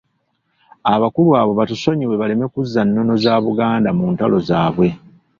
Abakulu abo batusonyiwe baleme kuzza nnono za Buganda mu ntalo zaabwe.